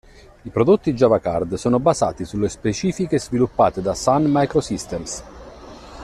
I prodotti Java Card sono basati sulle specifiche sviluppate da Sun Microsystems.